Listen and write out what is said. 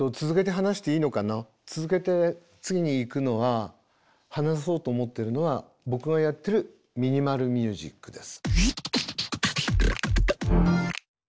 続けて次にいくのは話そうと思ってるのは僕がやってるミニマル・ミュージックです。